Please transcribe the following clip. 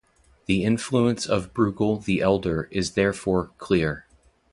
The influence of Brueghel the Elder is therefore clear.